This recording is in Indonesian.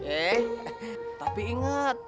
eh tapi inget